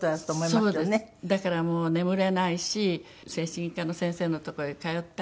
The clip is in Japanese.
だからもう眠れないし精神科の先生のとこへ通ったり。